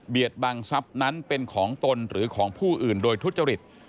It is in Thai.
บังทรัพย์นั้นเป็นของตนหรือของผู้อื่นโดยทุจริต